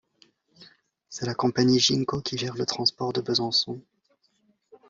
C'est la compagnie Ginko qui gère le transport de Besançon.